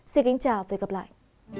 xin kính chào và hẹn gặp lại